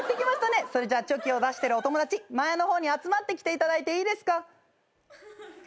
それじゃあチョキを出してるお友達前の方に集まってきていただいていいですか。